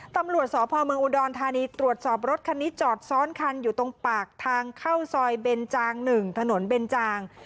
ตำรวจสพเมืองอุดรธานีตรวจสอบรถคันนี้จอดซ้อนคันอยู่ตรงปากทางเข้าซอยเบนจาง๑ถนนเบนจาง